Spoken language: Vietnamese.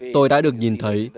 tôi đã được nhìn thấy